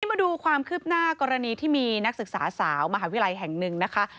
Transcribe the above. มาดูความคืบหน้ากรณีที่มีนักศึกษาสาวมหาวิทยาลัยแห่งหนึ่งนะคะ